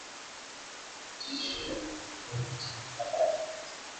virutubisho vya kiazi lishe ni kama nyuzinyuzi